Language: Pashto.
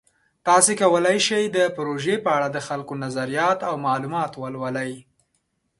تاسو کولی شئ د پروژې په اړه د خلکو نظریات او معلومات ولولئ.